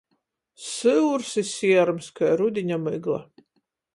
Syurs i sierms kai rudiņa mygla.